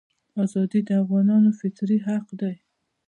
ازادي د افغانانو فطري حق دی.